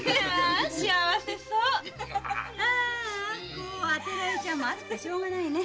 こうあてられちゃ暑くてしょうがないね。